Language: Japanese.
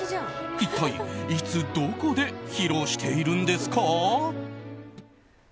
一体、いつどこで披露しているんですか？